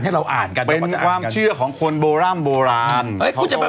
ให้เราอ่านกันเป็นความเชื่อของคนโบร่ำโบราณเขาก็ว่าเอ๊ะคุณจะแบบ